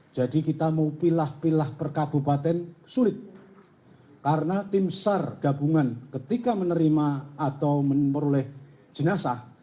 jadi kita mau pilah pilah perkabupaten sulit karena tim sar gabungan ketika menerima atau meneruleh jenazah